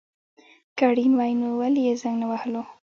که اړين وای نو ولي يي زنګ نه وهلو